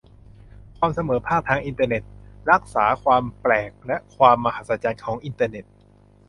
ความเสมอภาคทางอินเทอร์เน็ตรักษาความแปลกและความมหัศจรรย์ของอินเทอร์เน็ต